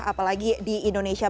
apalagi di indonesia